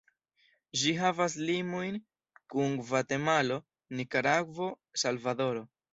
Ĝi havas limojn kun Gvatemalo, Nikaragvo, Salvadoro.